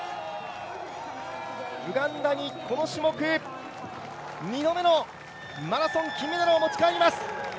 ウガンダにこの種目、２度目のマラソン金メダルを持ち帰ります。